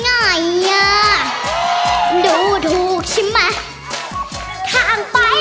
หน้าโมโฮมันหน้าโมโฮไม่ใช่อะไร